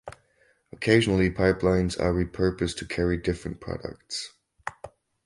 Occasionally pipelines are repurposed to carry different products.